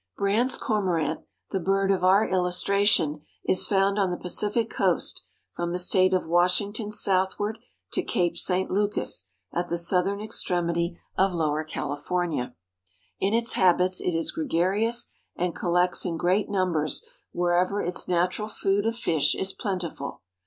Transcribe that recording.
Brandt's Cormorant, the bird of our illustration, is found on the Pacific coast from the state of Washington southward to Cape St. Lucas at the southern extremity of Lower California. In its habits it is gregarious and collects in great numbers wherever its natural food of fish is plentiful.